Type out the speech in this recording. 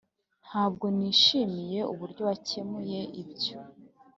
] ntabwo nishimiye uburyo wakemuye ibyo.